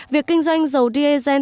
việc kinh doanh dầu diesel